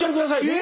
え？